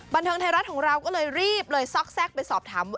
บันเทิงไทยรัฐของเราก็เลยรีบเลยซอกแทรกไปสอบถาม